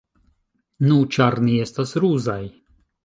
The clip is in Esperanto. Nu, ĉar ni estas ruzaj.